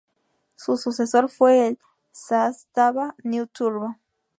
Su sucesor fue el Zastava New Turbo.